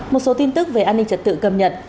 một số tin tức về an ninh trật tự cầm nhận